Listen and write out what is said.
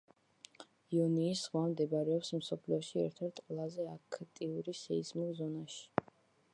იონიის ზღვა მდებარეობს მსოფლიოში ერთ-ერთ ყველაზე აქტიური სეისმურ ზონაში.